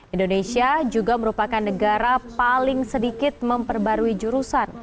indonesia juga merupakan negara paling sedikit memperbarui jurusan